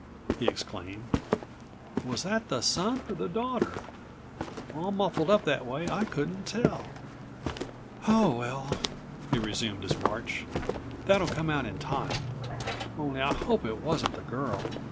he exclaimed. "Was that the son or the daughter? All muffled up that way I couldn't tell." "Ho, well," he resumed his march, "that'll come out in time. Only I hope it wasn't the girl.